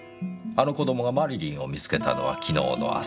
あの子供がマリリンを見つけたのは昨日の朝。